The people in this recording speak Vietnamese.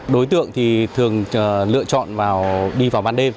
đối tượng thì thường lựa chọn đi vào ban đêm